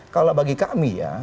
kalau bagi kami ya